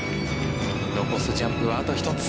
残すジャンプはあと１つ。